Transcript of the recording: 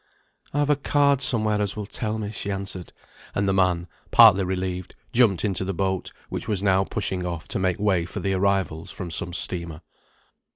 "I've a card somewhere as will tell me," she answered, and the man, partly relieved, jumped into the boat, which was now pushing off to make way for the arrivals from some steamer.